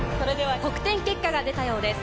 結果が出たようです。